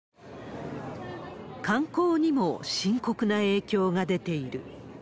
観光にも深刻な影響が出ている。